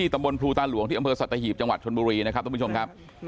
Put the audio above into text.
ตำบลภูตาหลวงที่อำเภอสัตหีบจังหวัดชนบุรีนะครับทุกผู้ชมครับ